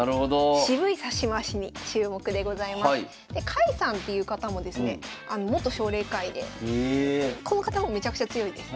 甲斐さんっていう方もですね元奨励会員でこの方もめちゃくちゃ強いです。